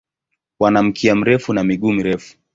Wana mkia mrefu na miguu mirefu.